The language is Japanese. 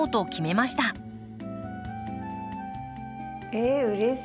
ええうれしい！